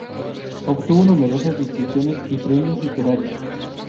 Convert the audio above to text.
Obtuvo numerosas distinciones y premios literarios.